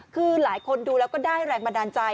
คือหลายคนดูแล้วก็ได้แรงบันดาลใจ